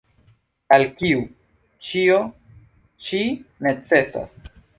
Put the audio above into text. Al kiu ĉio ĉi necesas?